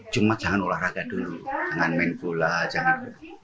cuma jangan olahraga dulu jangan main bola jangan